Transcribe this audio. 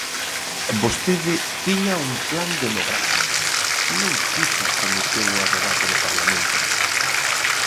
Vostede tiña un plan demográfico, non quixo sometelo a debate no Parlamento.